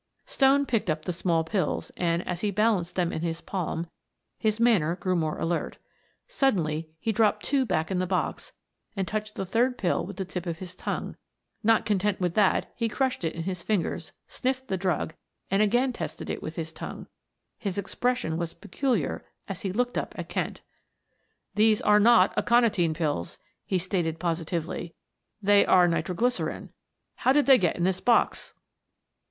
Stone picked up the small pills and, as he balanced them in his palm, his manner grew more alert. Suddenly he dropped two back in the box and touched the third pill with the tip of his tongue; not content with that he crushed it in his fingers, sniffed the drug, and again tested it with his tongue. His expression was peculiar as he looked up at Kent. "These are not aconitine pills," he stated positively. "They are nitro glycerine. How did they get in this box?"